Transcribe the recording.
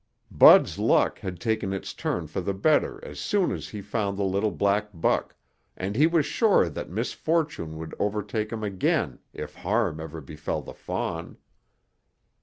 Bud's luck had taken its turn for the better as soon as he found the little black buck and he was sure that misfortune would overtake him again if harm ever befell the fawn.